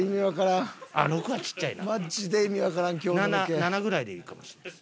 ７７ぐらいでいいかもしれないです。